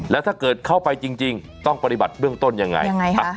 แล้วถ้าเกิดเข้าไปจริงต้องปฏิบัติเบื้องต้นยังไงคะ